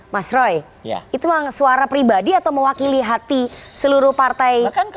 mas roy itu suara pribadi atau mewakili hati seluruh partai